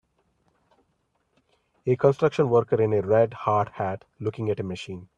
A construction worker in a red hard hat looking at a machine.